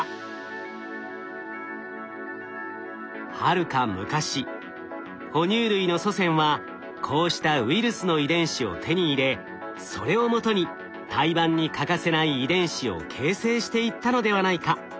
はるか昔ほ乳類の祖先はこうしたウイルスの遺伝子を手に入れそれをもとに胎盤に欠かせない遺伝子を形成していったのではないか。